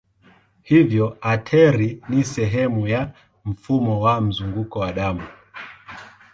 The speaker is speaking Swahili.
Hivyo ateri ni sehemu ya mfumo wa mzunguko wa damu.